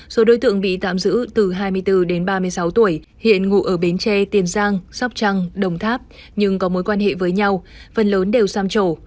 số đối tượng bị tạm giữ từ hai mươi bốn đến ba mươi sáu tuổi hiện ngụ ở bến tre tiền giang sóc trăng đồng tháp nhưng có mối quan hệ với nhau phần lớn đều sam trổ